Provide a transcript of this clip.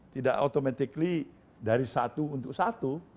tidak secara otomatis dari satu untuk satu